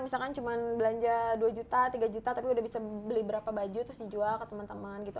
misalkan cuma belanja dua juta tiga juta tapi udah bisa beli berapa baju terus dijual ke teman teman gitu